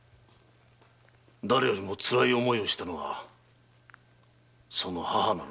だれよりも辛い思いをしたのはその母なのだ。